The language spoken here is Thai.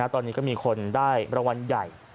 ตอนนี้ก็มีคนได้รางวัลใหญ่